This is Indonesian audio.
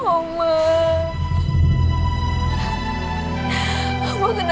oma kenapa tinggalin tania